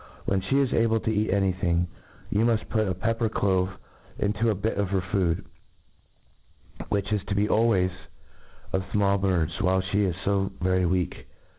When fixe is able to eat any thing, you muft put a pepper clove into a bit of her food, lyhich is to be always of final! birds, while (he is fo very w6ak.